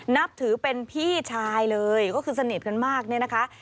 นับถือเป็นพี่ชายเลยก็คือสนิทกันมากเนี่ยนะคะ